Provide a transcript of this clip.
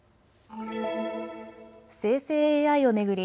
生成ＡＩを巡り